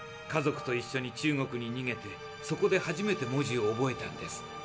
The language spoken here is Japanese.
家族と一緒に中国ににげてそこで初めて文字を覚えたんです。